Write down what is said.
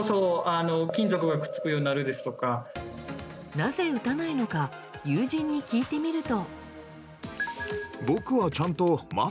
なぜ打たないのか友人に聞いてみると。